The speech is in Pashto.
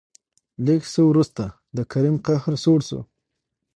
لېږ څه ورورسته د کريم قهر سوړ شو.